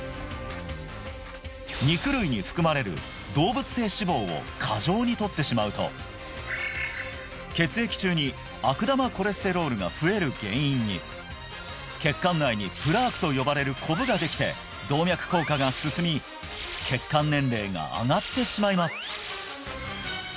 肉類に含まれる動物性脂肪を過剰に取ってしまうと血液中に悪玉コレステロールが増える原因に血管内にプラークと呼ばれるコブができて動脈硬化が進み血管年齢が上がってしまいます